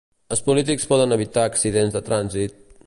Els polítics poden evitar accidents de trànsit